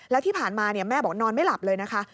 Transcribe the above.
แล้วที่ผ่านมาแม่บอกนอนไม่หลับเลยนะคะ